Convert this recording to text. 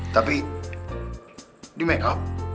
tapi di makeup